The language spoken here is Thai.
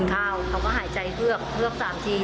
เขาก็หายใจเฮือก๓ที